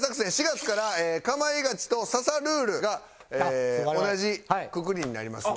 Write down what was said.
４月から『かまいガチ』と『刺さルール！』が同じくくりになります。